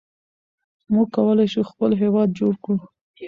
موږ کولای شو خپل هېواد جوړ کړو.